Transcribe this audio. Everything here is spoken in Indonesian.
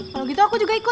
kalau gitu aku juga ikut